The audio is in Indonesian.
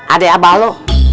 adek abah lo